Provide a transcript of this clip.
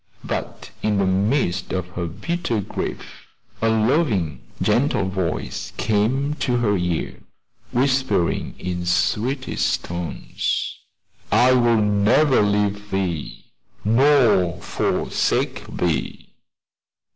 But in the midst of her bitter grief a loving, gentle voice came to her ear, whispering in sweetest tones, "I will never leave thee, nor forsake thee."